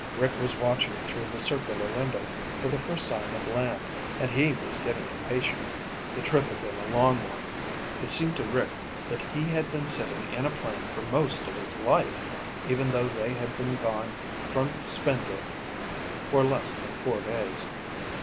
Rick was watching through the circular window for the first sign of land, and he was getting impatient. The trip had been a long one. It seemed to Rick that he had been sitting in a plane for most of his life, even though they had been gone from Spindrift for less than four days.